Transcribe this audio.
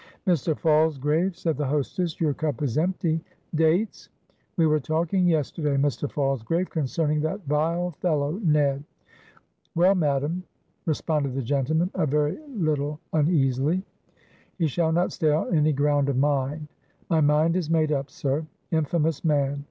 "Mr. Falsgrave," said the hostess "Your cup is empty. Dates! We were talking yesterday, Mr. Falsgrave, concerning that vile fellow, Ned." "Well, Madam," responded the gentleman, a very little uneasily. "He shall not stay on any ground of mine; my mind is made up, sir. Infamous man!